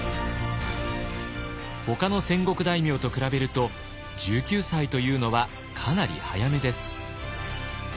ほかの戦国大名と比べると１９歳というのはかなり早めです。